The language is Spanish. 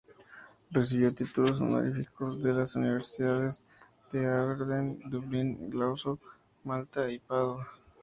Recibió títulos honoríficos de las universidades de Aberdeen, Dublin, Glasgow, Malta, y Padua.